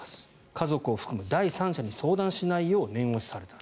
家族を伴う第三者に相談しないように念押しされた。